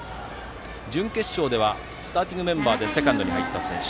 準決勝ではスターティングメンバーでセカンドに入った選手。